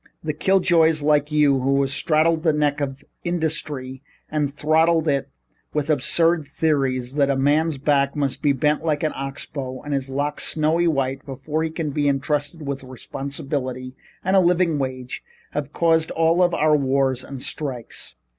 The killjoys like you who have straddled the neck of industry and throttled it with absurd theories that a man's back must be bent like an ox bow and his locks snowy white before he can be entrusted with responsibility and a living wage, have caused all of our wars and strikes.